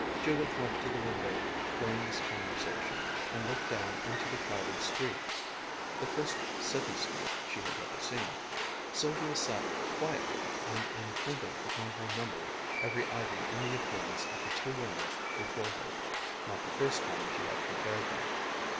Judith went to the window during this conversation, and looked down into the crowded street, the first city street she had ever seen. Sylvia sat quietly and imprinted upon her memory every item in the appearance of the two women before her, not the first time she had compared them.